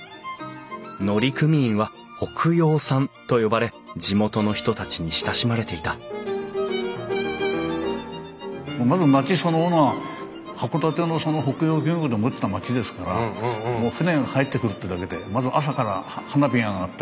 乗組員は「北洋さん」と呼ばれ地元の人たちに親しまれていたまず町そのものが函館のその北洋漁業でもってた町ですからもう船が入ってくるってだけでまず朝から花火が上がったり。